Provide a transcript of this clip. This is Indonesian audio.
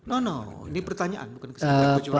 no no ini pertanyaan bukan kesimpulan